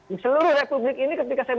di seluruh republik ini ketika saya